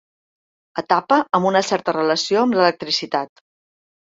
Etapa amb una certa relació amb l'electricitat.